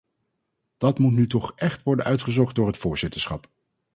Dat moet nu toch echt worden uitgezocht door het voorzitterschap.